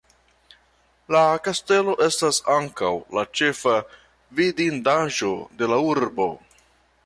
La kastelo estas ankaŭ la ĉefa vidindaĵo de la urbo.